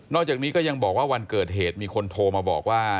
จากนี้ก็ยังบอกว่าวันเกิดเหตุมีคนโทรมาบอกว่า